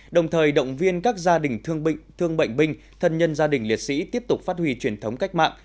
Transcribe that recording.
đồng thời động viên các gia đình thương bệnh binh thân nhân gia đình liệt sĩ tiếp tục phát huy truyền thống cách mạng